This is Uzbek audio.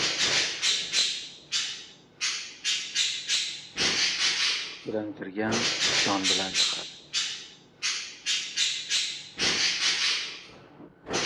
• Sut bilan kirgan odat, jon bilan chiqadi.